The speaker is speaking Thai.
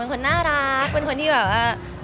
เป็นคนน่ารักเป็นคนที่แบบว่า